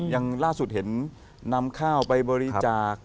อย่างล่าสุดเห็นนำข้าวไปบริจาค